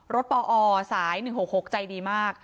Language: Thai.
ปอสาย๑๖๖ใจดีมาก